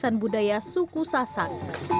dan budaya suku sasak